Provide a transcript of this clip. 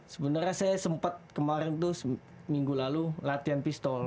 sebenarnya saya sempat kemarin tuh minggu lalu latihan pistol